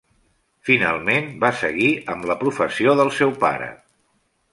Finalment, va seguir amb la professió del seu pare.